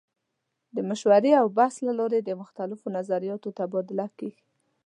د مشورې او بحث له لارې د مختلفو نظریاتو تبادله کیږي.